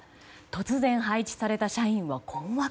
突然配置された社員は困惑。